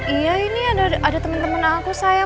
iya ini ada teman teman aku saya